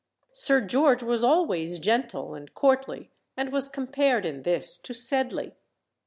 Sir George was always gentle and courtly, and was compared in this to Sedley.